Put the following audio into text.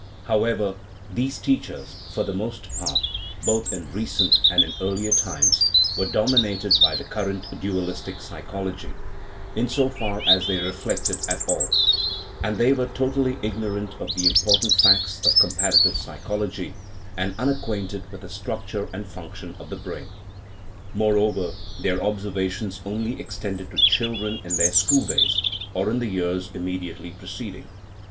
However, these teachers, for the most part, both in re cent and in earlier times, were dominated by the cur rent dualistic psychology in so far as they reflected at all; and they were totally ignorant of the important facts of comparative psychology, and unacquainted with the structure and function of the brain. More over, their observations only extended to children in their school days, or in the years immediately preced ing.